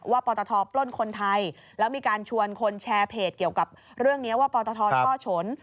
ปตทปล้นคนไทยแล้วมีการชวนคนแชร์เพจเกี่ยวกับเรื่องนี้ว่าปตทช่อฉน